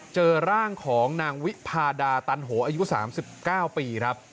เจอร่างของนางวิภาดาตัณห์โหอายุ๓๙ปี